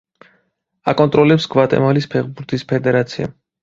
აკონტროლებს გვატემალის ფეხბურთის ფედერაცია.